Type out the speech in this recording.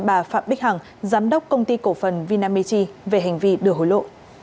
bà phạm bích hằng giám đốc công ty cổ phần vinamity về hành vi đưa hối lộ